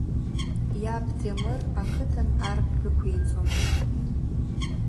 Иаб Ҭемыр ақыҭан ар дәықәиҵон.